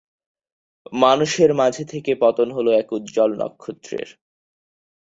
মানুষের মাঝে থেকে পতন হল এক উজ্জ্বল নক্ষত্রের!